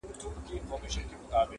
په كوڅو كي يې ژوندۍ جنازې ګرځي!!